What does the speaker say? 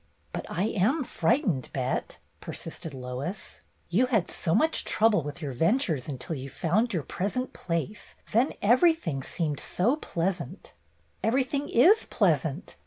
But I am frightened. Bet," persisted Lois. "You THE PICNIC 29 had so much trouble with your ventures until you found your present place, then everything seemed so pleasant/' "Everything is pleasant.